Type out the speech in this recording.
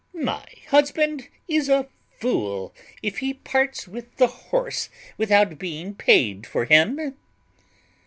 My husband is a fool if he parts with the horse without being paid for him."